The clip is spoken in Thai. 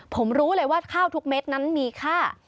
ผมรู้เลยว่าข้าวทุกเม็ดนั้นมีค่า